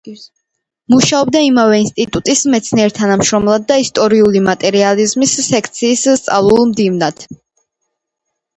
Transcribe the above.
მუშაობდა იმავე ინსტიტუტის მეცნიერ-თანამშრომლად და ისტორიული მატერიალიზმის სექციის სწავლულ მდივნად.